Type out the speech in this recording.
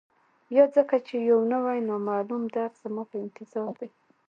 یا ځکه چي یو نوی، نامعلوم درد زما په انتظار دی